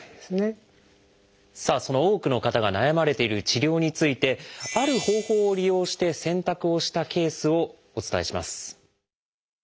さあその多くの方が悩まれている治療についてある方法を利用して選択をしたケースをお伝えします。